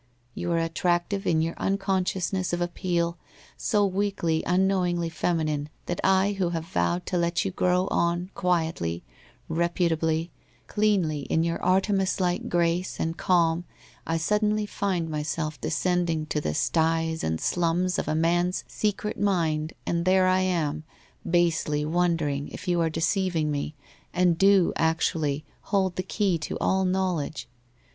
You are attractive in your unconsciousness of appeal, so weakly, unknowingly feminine that I who have vowed to let you grow on, quietly, reputably, cleanly in your Artemis lil e grace and calm 1 suddenly find myself descending to the sties and slums of a man's secret mind and there I am, basely wondering if you are deceiving me, and do actually hold the key to all knowledge?